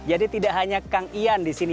jadi tidak hanya kang ian di sini yang mendidikannya